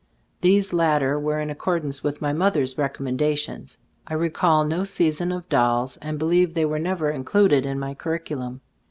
These lat ter were in accordance with my moth er's recommendations. I recall no season of dolls, and believe they were never included in my curriculum.